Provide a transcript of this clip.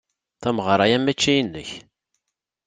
Tameɣra-a mačči inek.